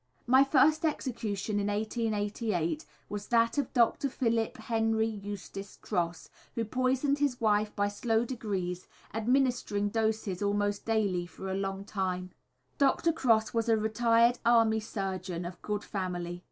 _ My first execution in 1888 was that of Dr. Philip Henry Eustace Cross, who poisoned his wife by slow degrees, administering doses almost daily for a long time. Dr. Cross was a retired army surgeon, of good family.